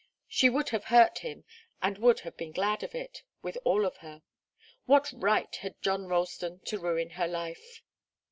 She would have hurt him, and she would have been glad of it, with all of her. What right had John Ralston to ruin her life?